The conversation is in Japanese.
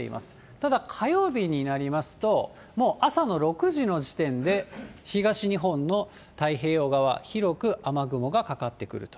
ただ火曜日になりますと、もう朝の６時の時点で、東日本の太平洋側、広く雨雲がかかってくると。